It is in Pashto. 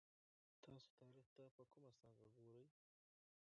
تاسو تاریخ ته په کومه سترګه ګورئ؟